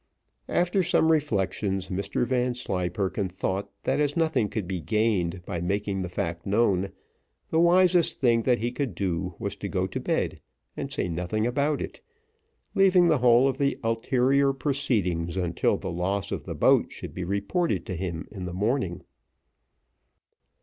After some reflection, Mr Vanslyperken thought that as nothing could be gained by making the fact known, the wisest thing that he could do was to go to bed and say nothing about it, leaving the whole of the ulterior proceedings until the loss of the boat should be reported to him in the morning.